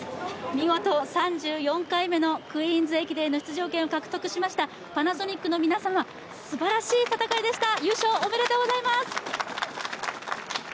見事、３４回目のクイーンズ駅伝の出場権を獲得しましたパナソニックの皆様、すばらしい戦いでした、優勝おめでとうございます。